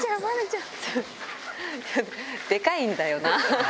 でかいんだよな。